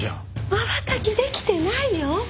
まばたきできてないよ！